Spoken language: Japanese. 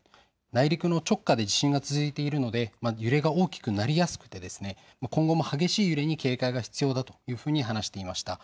内陸の直下で地震が続いているので揺れが大きくなりやすくて今後も激しい揺れに警戒が必要だというふうに話していました。